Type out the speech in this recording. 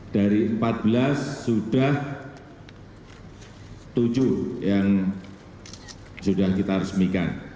dari empat belas sudah tujuh yang sudah kita resmikan